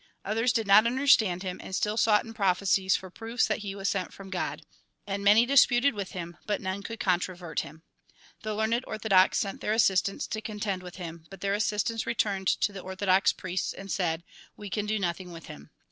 Others did not understand him, and still sought in prophecies for proofs that he was sent from God. And many disputed with him, but none could controvert him. The learned orthodox sent their assistants to contend with him, but their assistants returned to the orthodox priests, and said :" We can do nothing with him."